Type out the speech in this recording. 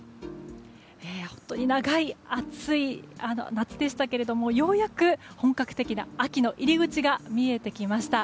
本当に長い暑い夏でしたけれどようやく本格的な秋の入り口が見えてきました。